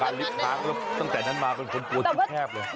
จริงเคยมีประสุทธิ์การลิฟท์พักตั้งแต่นั้นมาเป็นคนกลัวแคบเลย